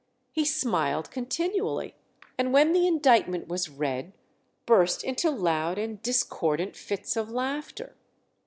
He smiled continually, and when the indictment was read, burst into loud and discordant fits of laughter.